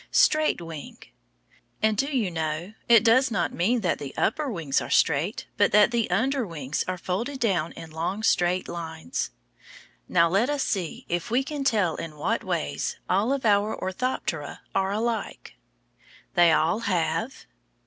Straight wing. And do you know, it does not mean that the upper wings are straight, but that the under wings are folded down in long straight lines. Now let us see if we can tell in what ways all of our Orthoptera are alike. They all have